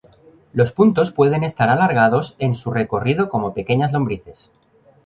Los puntos pueden estar alargados en su recorrido como pequeñas lombrices.